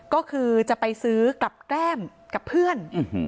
ก็คือจะไปซื้อกลับแก้มกับเพื่อน